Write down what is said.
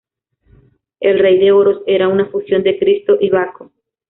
El Rey de Oros era una fusión de Cristo y Baco.